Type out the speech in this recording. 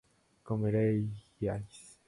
comeríais